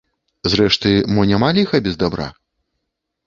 Зрэшты, мо няма ліха без дабра?